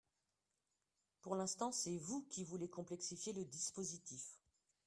Pour l’instant, c’est vous qui voulez complexifier le dispositif